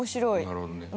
なるほどね。